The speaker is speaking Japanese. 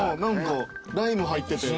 ライム入ってて。